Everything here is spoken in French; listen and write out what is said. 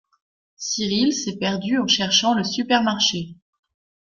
Cyrille s'est perdu en cherchant le supermarché.